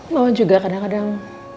mama juga kadang kadang